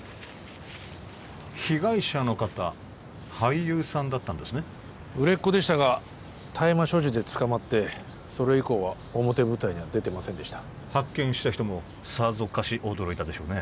被害者の方俳優さんだったんですね売れっ子でしたが大麻所持で捕まってそれ以降は表舞台には出てませんでした発見した人もさぞかし驚いたでしょうね